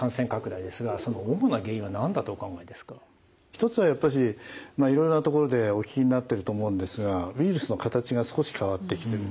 一つはやっぱしいろいろなところでお聞きになってると思うんですがウイルスの形が少し変わってきてる。